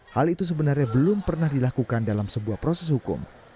hal itu sebenarnya belum pernah dilakukan dalam sebuah proses hukum